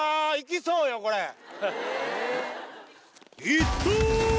いった！